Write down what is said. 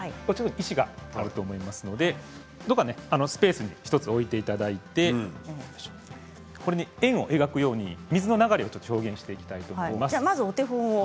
石がありますのでどこかスペースに１つ置いていただいて円を描くように水の流れを表現していきます。